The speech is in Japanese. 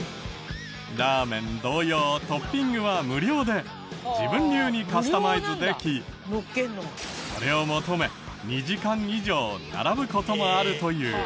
ラーメン同様トッピングは無料で自分流にカスタマイズできこれを求め２時間以上並ぶ事もあるという。